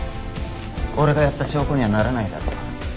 俺がやった証拠にはならないだろ？